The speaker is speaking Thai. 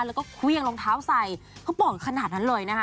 แล้วก็เครื่องรองเท้าใส่เขาบอกขนาดนั้นเลยนะคะ